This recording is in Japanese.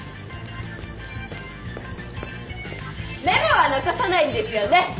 メモは残さないんですよね！